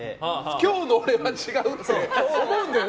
今日の俺は違うって思うんだよね。